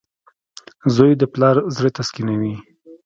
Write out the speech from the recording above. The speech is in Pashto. • زوی د پلار زړۀ تسکینوي.